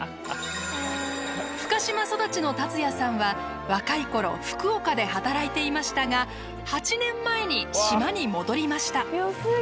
深島育ちの達也さんは若いころ福岡で働いていましたが８年前に島に戻りました。